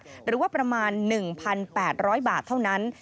หรือว่าประมาณ๑๘๐๐บาทเท่านั้น